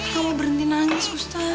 kamu berhenti nangis gustaf